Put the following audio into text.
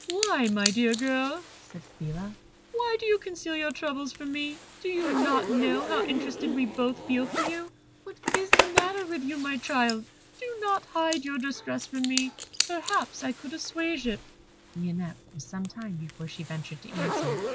"Why, my dear girl," said Phila, "why do you conceal your troubles from me? Do you not know how interested we both feel for you? What is the matter with you, my child? Do not hide your distress from me; perhaps I could assuage it." Lionette was some time before she ventured to answer.